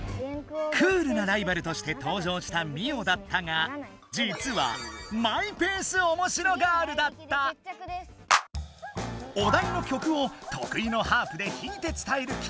クールなライバルとしてとう場したミオだったがじつはお題の曲をとくいのハープでひいて伝えるき